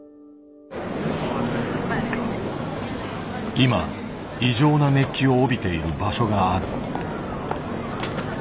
今異常な熱気を帯びている場所がある。